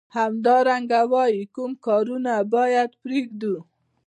همدارنګه وايي کوم کارونه باید پریږدو.